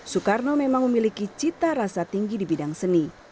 soekarno memang memiliki cita rasa tinggi di bidang seni